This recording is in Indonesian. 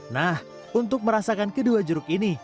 nah untuk merasakan kedua jeruk ini